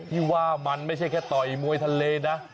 ที่ว่ามันไม่ใช่แค่ต่อยมวยทะเลนะ